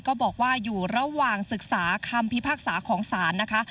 ก็บอกว่าอยู่ระหว่างศึกษาคำพิพากษาของศาลนะคะ